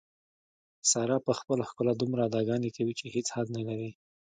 ساره په خپله ښکلا دومره اداګانې کوي، چې هېڅ حد نه لري.